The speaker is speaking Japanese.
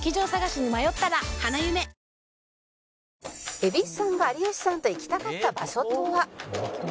「蛭子さんが有吉さんと行きたかった場所とは？」